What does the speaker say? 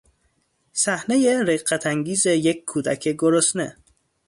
صحنهی رقت انگیز یک کودک گرسنه